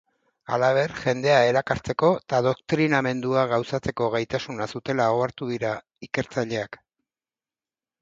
Halaber, jendea erakartzeko eta doktrinamendua gauzatzeko gaitasuna zutela ohartu dira ikertzaileak.